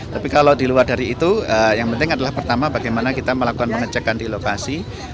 tapi kalau di luar dari itu yang penting adalah pertama bagaimana kita melakukan pengecekan di lokasi